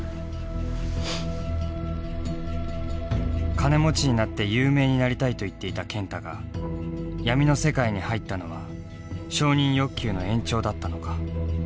「金持ちになって有名になりたい」と言っていた健太が闇の世界に入ったのは承認欲求の延長だったのか。